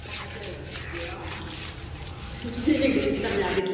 Napadení je obvyklé brzy na jaře za vlhkého počasí.